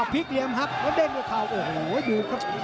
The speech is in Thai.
พลิกเหลี่ยมหักแล้วเด้งด้วยเข่าโอ้โหดูครับ